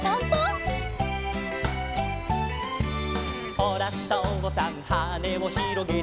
「ほらとうさんはねをひろげて」